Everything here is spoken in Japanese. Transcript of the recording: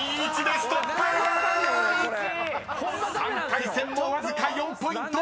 ［３回戦もわずか４ポイント］